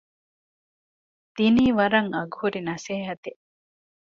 ދިނީ ވަރަށް އަގުހުރި ނަސޭހަތެއް